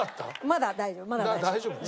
まだ大丈夫まだ大丈夫。